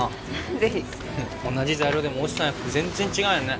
ぜひ同じ材料でも越智さん焼くと全然違うやんね